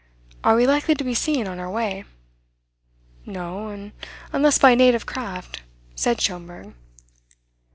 Are we likely to be seen on our way?" "No, unless by native craft," said Schomberg.